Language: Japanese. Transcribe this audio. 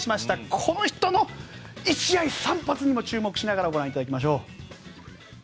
この人の１試合３発にも注目しながらご覧いただきましょう。